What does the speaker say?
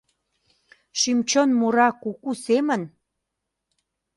Шӱм-чон мура куку семын?